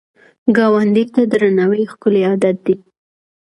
ګاونډي ته درناوی ښکلی عادت دی